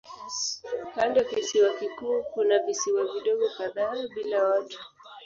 Kando ya kisiwa kikuu kuna visiwa vidogo kadhaa bila watu.